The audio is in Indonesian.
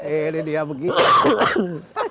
eh ini dia begitu